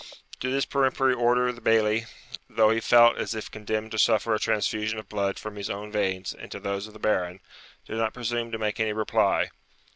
To this peremptory order the Bailie, though he felt as if condemned to suffer a transfusion of blood from his own veins into those of the Baron, did not presume to make any reply.